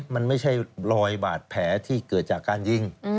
มันไม่ใช่รอยบาดแผลที่เกิดจากการยิง